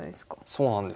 そうなんですよ。